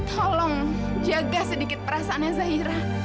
tolong jaga sedikit perasaannya zahira